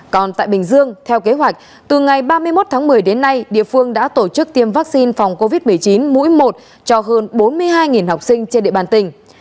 còn tại bình dương theo kế hoạch từ ngày ba mươi một tháng một mươi đến nay địa phương đã tổ chức tiêm vaccine phòng covid một mươi chín mũi một cho hơn bốn mươi hai học sinh trên địa bàn tỉnh